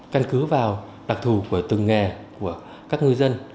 căn cứ vào đặc thù của từng nghề của các ngư dân